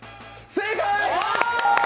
正解！